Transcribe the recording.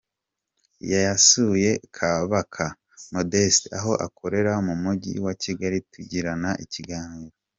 com yasuye Kabaka Modeste aho akorera mu Mujyi wa Kigali tugirana ikiganiro.